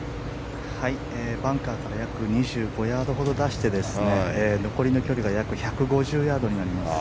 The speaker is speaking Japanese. バンカーから約２５ヤードほど出して残りの距離が約１５０ヤードになります。